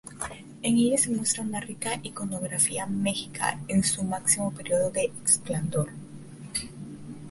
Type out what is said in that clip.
En ella se muestra una rica iconografía mexica en su máximo periodo de esplendor.